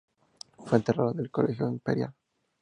Fue enterrado en el Colegio Imperial.